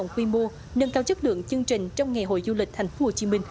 qua từng năm tổ chức